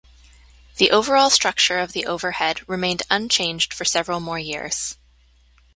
The overall structure of the overhead remained unchanged for several more years.